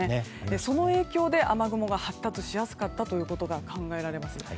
その影響で雨雲が発達しやすかったということが考えられます。